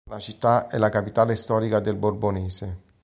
La città è la capitale storica del Borbonese.